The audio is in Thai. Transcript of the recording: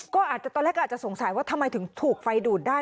ก็อาจจะตอนแรกก็อาจจะสงสัยว่าทำไมถึงถูกไฟดูดได้